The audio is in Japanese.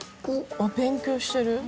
あっ勉強してる。